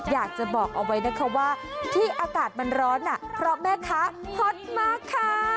อยากจะบอกเอาไว้นะคะว่าที่อากาศมันร้อนเพราะแม่ค้าฮอตมากค่ะ